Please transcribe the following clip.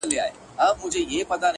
زه وايم راسه حوصله وكړو!!